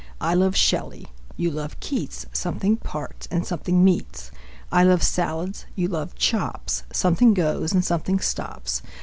I love Shelley ... you love Keats Something parts and something meets. I love salads ... you love chops; Something goes and something stops.